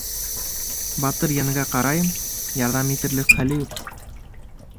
Батырйәнгә ҡарайым, ярҙам итерлек хәле юҡ.